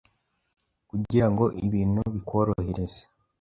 Kugira ngo ibintu bikworohereze,